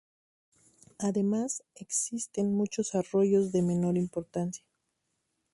Además existen muchos arroyos de menor importancia.